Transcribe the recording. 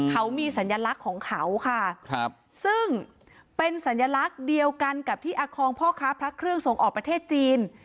เขามีสัญลักษณ์ของเขาค่ะครับซึ่งเป็นสัญลักษณ์เดียวกันกับที่อาคองพ่อค้าพระเครื่องส่งออกประเทศจีน